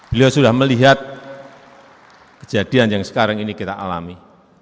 beliau sudah melihat kejadian yang sekarang ini kita alami